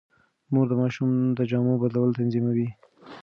مور د ماشوم د جامو بدلول تنظيموي.